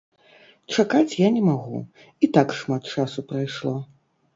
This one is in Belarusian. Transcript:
Чакаць я не магу, і так шмат часу прайшло.